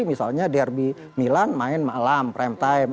misalnya derby milan main malam prime time